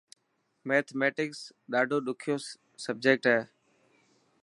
ميٿميٽڪس ڌاڏو ڏخيو سبجيڪٽ هي.